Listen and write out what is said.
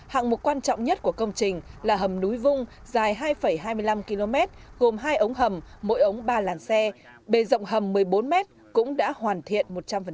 hạng mục quan trọng nhất của công trình là hầm núi vung dài hai hai mươi năm km gồm hai ống hầm mỗi ống ba làn xe bề rộng hầm một mươi bốn m cũng đã hoàn thiện một trăm linh